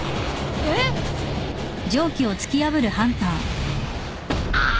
えっ！？あっ！